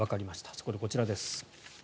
そこでこちらです。